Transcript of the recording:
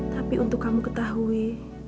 tapi untuk kamu ketahui